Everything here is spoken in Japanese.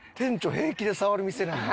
平気で触る店なんや。